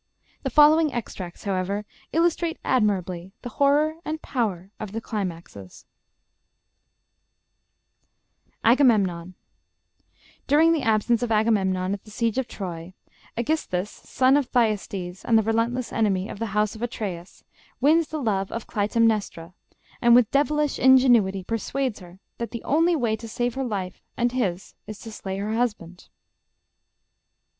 The following extracts, however, illustrate admirably the horror and power of his climaxes. L. Oscar Kuhnes AGAMEMNON [During the absence of Agamemnon at the siege of Troy, Aegisthus, son of Thyestes and the relentless enemy of the House of Atreus, wins the love of Clytemnestra, and with devilish ingenuity persuades her that the only way to save her life and his is to slay her husband.